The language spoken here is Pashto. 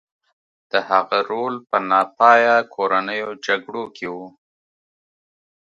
د هغه رول په ناپایه کورنیو جګړو کې و.